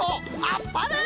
あっぱれ！